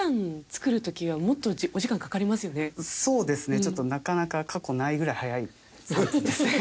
ちょっとなかなか過去ないぐらい速い作業ですね。